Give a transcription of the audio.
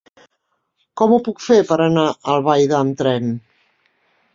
Com ho puc fer per anar a Albaida amb tren?